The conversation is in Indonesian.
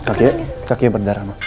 kaki kaki berdarah mbak